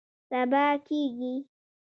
سبا کیږي